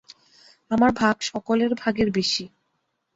আমার ভাগ সকলের ভাগের বেশি।